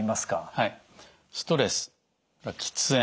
はい。